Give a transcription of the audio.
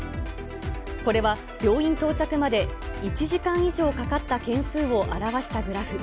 これは病院到着まで１時間以上かかった件数を表したグラフ。